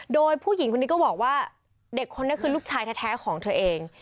โดยผู้หญิงคนนี้ก็บอกว่าเด็กคนนี้คือลูกชายแท้ของเธอเอง